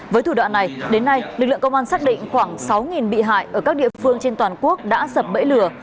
với thủ đoạn này đến nay lực lượng công an xác định khoảng sáu bị hại ở các địa phương trên toàn quốc đã sập bẫy lừa